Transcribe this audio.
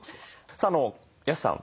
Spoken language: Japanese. さあ安さん